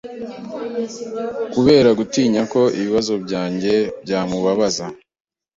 Kubera gutinya ko ibibazo byanjye byamubabaza